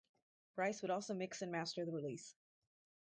Bryce would also mix and master the release.